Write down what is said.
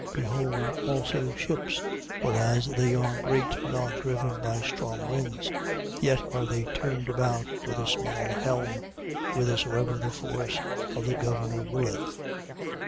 3:4. Behold also ships, whereas they are great and are driven by strong winds, yet are they turned about with a small helm, whithersoever the force of the governor willeth.